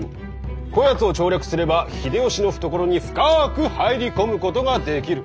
こやつを調略すれば秀吉の懐に深く入り込むことができる。